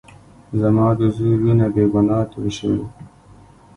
زما د زوى وينه بې ګناه تويې شوې.